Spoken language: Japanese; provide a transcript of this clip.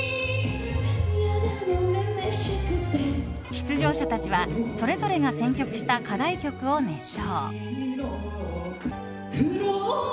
出場者たちはそれぞれが選曲した課題曲を熱唱。